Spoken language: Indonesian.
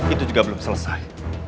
itu juga belum selesai